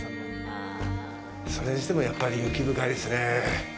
それにしても、やっぱり雪深いですね。